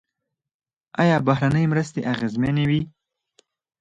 آیا بهرنۍ مرستې اغیزمنې وې؟